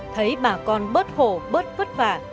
thấy bà con bớt khổ bớt vất vả